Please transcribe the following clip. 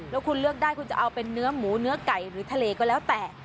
แล้วคุณเลือกได้คุณจะเอาเป็นเนื้อหมูเนื้อไก่หรือทะเลก็แล้วแต่